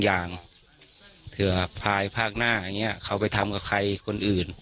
อย่างเผื่อภายภาคหน้าอย่างนี้เขาไปทำกับใครคนอื่น